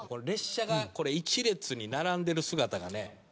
列車がこれ１列に並んでる姿がね